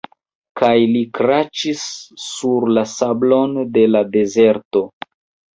Kaj li kraĉis sur la sablon de la dezerto.